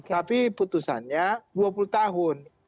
tapi putusannya dua puluh tahun